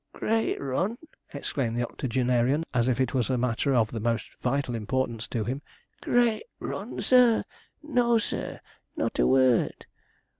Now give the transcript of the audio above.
'Great run!' exclaimed the octogenarian, as if it was a matter of the most vital importance to him; 'great run, sir; no, sir, not a word!'